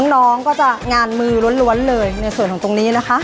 น้องก็จะงานมือล้วนเลยในส่วนของตรงนี้นะคะ